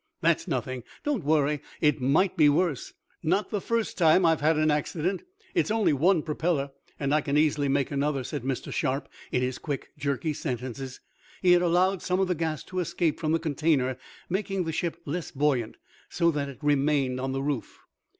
"That's nothing! Don't worry! It might be worse! Not the first time I've had an accident. It's only one propeller, and I can easily make another," said Mr. Sharp, in his quick, jerky sentences. He had allowed some of the gas to escape from the container, making the ship less buoyant, so that it remained on the roof.